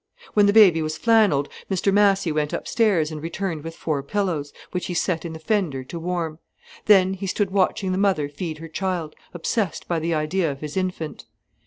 When the baby was flannelled, Mr Massy went upstairs and returned with four pillows, which he set in the fender to warm. Then he stood watching the mother feed her child, obsessed by the idea of his infant.